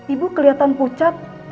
ibu keliatan pucat